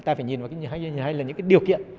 ta phải nhìn vào những điều kiện